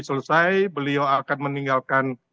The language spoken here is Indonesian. selesai beliau akan meninggalkan